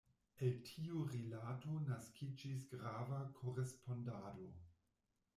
El tiu rilato naskiĝis grava korespondado.